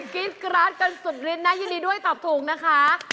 กิ๊ดกรัสกันสุดริดนะยินดีด้วยตอบถูกนะคะ